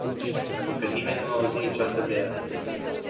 Adică nimeni nu a auzit niciodată de ea.